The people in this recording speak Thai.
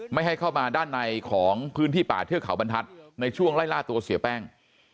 ไม่ให้เข้ามาด้านในของพื้นที่ป่าเทือกเขาบรรทัศน์ในช่วงไล่ล่าตัวเสียแป้ง